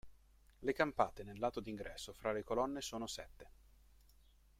Le campate nel lato d'ingresso fra le colonne sono sette.